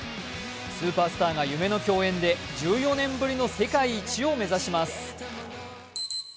スーパースターが夢の共演で１４年ぶりの世界一を目指します。